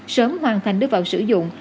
sớm hoàn thành đưa vào sử dụng